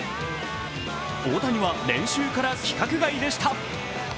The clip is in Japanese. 大谷は練習から規格外でした。